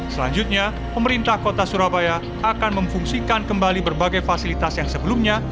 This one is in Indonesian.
selanjutnya pemerintah kota surabaya akan memfungsikan kembali berbagai fasilitas yang sebelumnya